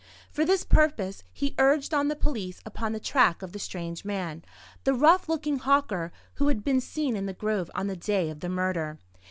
For this purpose he urged on the police upon the track of the strange man, the rough looking hawker, who had been seen in the grove on the day of the murder.